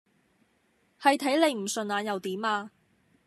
係睇你唔順眼又點呀！